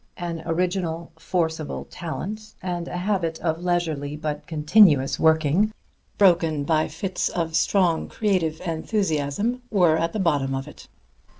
An original, forcible talent and a habit of leisurely but continuous working, broken by fits of strong creative enthusiasm, were at the bottom of it.